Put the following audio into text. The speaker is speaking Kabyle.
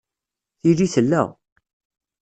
Tili tella.